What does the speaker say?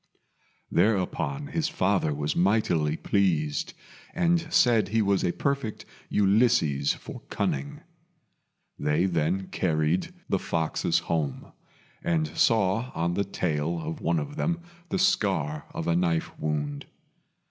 Thereupon his father was mightily pleased, and said he was a perfect Ulysses for cunning. They then carried the foxes home, and saw on the tail of one of them the scar of a knife wound.